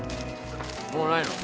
もうないの？